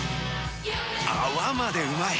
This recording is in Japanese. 泡までうまい！